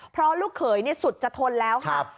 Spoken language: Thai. เพราะลูกเกยเนี่ยสุดจะทนแล้วครับ